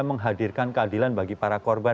menghadirkan keadilan bagi para korban